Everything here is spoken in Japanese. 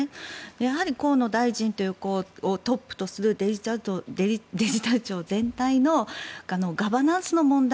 やはり、河野大臣をトップとするデジタル庁全体のガバナンスの問題。